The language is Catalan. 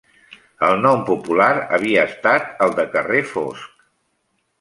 El nom popular havia estat el de carrer Fosc.